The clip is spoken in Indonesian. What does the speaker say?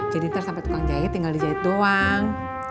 jadi ntar sampai tukang jahit tinggal dijahit doang